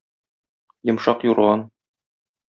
Йомшак юрган